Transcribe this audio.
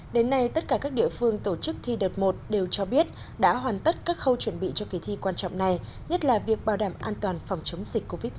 đến nay tất cả các địa phương tổ chức thi đợt một đều cho biết đã hoàn tất các khâu chuẩn bị cho kỳ thi quan trọng này nhất là việc bảo đảm an toàn phòng chống dịch covid một mươi chín